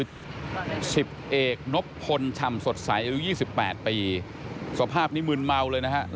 ชิบเอกนบพลชำสดใส๒๘ปีสภาพนี้มืนเมาเลยนะครับ